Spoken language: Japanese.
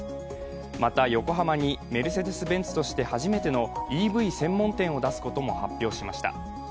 また、横浜にメルセデス・ベンツとして初めての、ＥＶ専門店を出すことも発表しました。